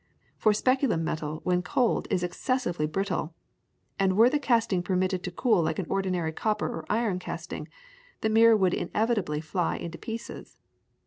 For speculum metal when cold is excessively brittle, and were the casting permitted to cool like an ordinary copper or iron casting, the mirror would inevitably fly into pieces.